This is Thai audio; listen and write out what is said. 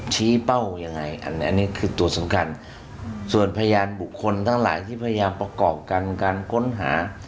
เป้ายังไงอันนี้คือตัวสำคัญส่วนพยานบุคคลทั้งหลายที่พยายามประกอบกันการค้นหา